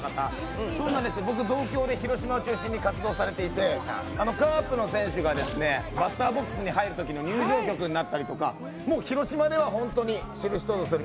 僕、同郷で広島を中心に活動されていてカープの選手がバッターボックスに入るときの入場曲になったりとか、広島では本当に知る人ぞ知る